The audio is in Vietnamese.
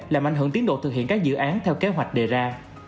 làm ảnh hưởng tiến độ thực hiện các dự án theo kế hoạch đề ra